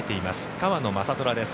川野将虎です。